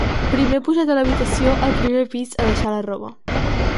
Primer, he pujat a l’habitació, al primer pis, a deixar la roba.